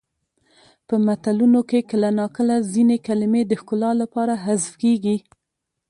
په متلونو کې کله ناکله ځینې کلمې د ښکلا لپاره حذف کیږي